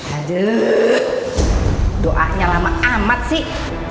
aduh doanya lama amat sih